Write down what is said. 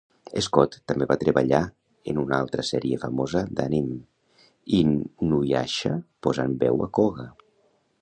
Scott també va treballar en un altra sèrie famosa d'anime, "Inuyasha" posant veu a Koga.